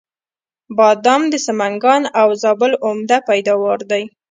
بادام د سمنګان او زابل عمده پیداوار دی.